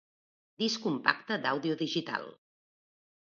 Disc compacte d'àudio digital.